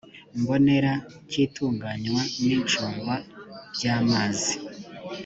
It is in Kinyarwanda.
mbonera cy itunganywa n icungwa by amazi